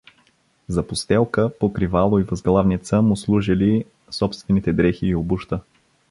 За постелка, покривало и възглавница му служели собствените дрехи и обуща.